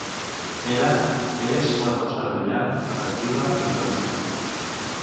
Era, és, una persona brillant, atractiva, vitalista.